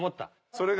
それが？